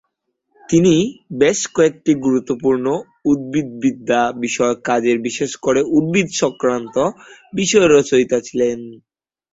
তিনি বেশ কয়েকটি গুরুত্বপূর্ণ উদ্ভিদবিদ্যা বিষয়ক কাজের বিশেষ করে উদ্ভিদ সংক্রান্ত বিষয়ের রচয়িতা ছিলেন।